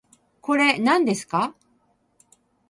これ、なんですか